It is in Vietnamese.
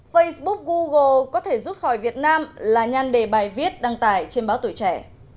facebook google có thể rút khỏi việt nam là nhan đề bài viết đăng tải trên báo tuổi trẻ